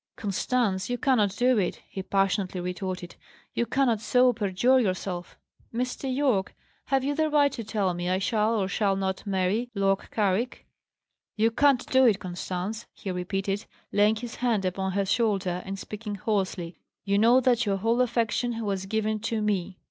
"Constance, you cannot do it," he passionately retorted. "You cannot so perjure yourself!" "Mr. Yorke! Have you the right to tell me I shall or shall not marry Lord Carrick?" "You can't do it, Constance!" he repeated, laying his hand upon her shoulder, and speaking hoarsely. "You know that your whole affection was given to me!